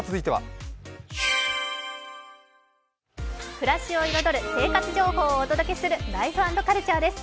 暮らしを彩る生活情報をお届けする「ライフ＆カルチャー」です。